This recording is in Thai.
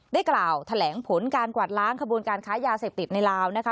ได้กล่าวแถลงผลการกวาดล้างขบวนการค้ายาเสพติดในลาวนะคะ